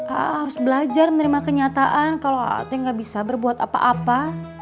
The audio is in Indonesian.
a'a harus belajar menerima kenyataan kalau a'a teh gak bisa berbuat apa apa